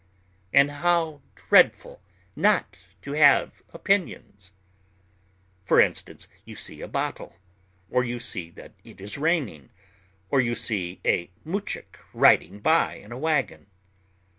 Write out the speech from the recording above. And how dreadful not to have opinions! For instance, you see a bottle, or you see that it is raining, or you see a muzhik riding by in a wagon.